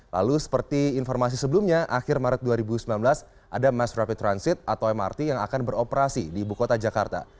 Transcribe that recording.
lalu seperti informasi sebelumnya akhir maret dua ribu sembilan belas ada mass rapid transit atau mrt yang akan beroperasi di ibu kota jakarta